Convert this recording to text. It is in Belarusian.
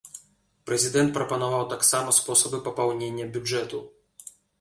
Прэзідэнт прапанаваў таксама спосабы папаўнення бюджэту.